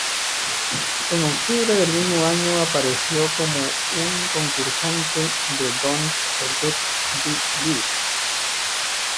En octubre del mismo año, apareció como un concursante de "Don't Forget the Lyrics!